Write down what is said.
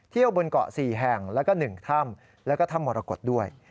บนเกาะ๔แห่งแล้วก็๑ถ้ำแล้วก็ถ้ำมรกฏด้วย